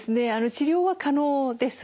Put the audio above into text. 治療は可能です。